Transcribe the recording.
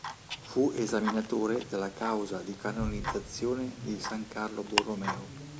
Fu esaminatore della causa di canonizzazione di san Carlo Borromeo.